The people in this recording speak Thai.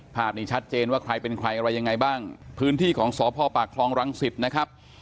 ภาพนี้ชัดเจนว่าใครเป็นใครอะไรยังไงบ้างพื้นที่ของสพปากคลองรังสิตนะครับ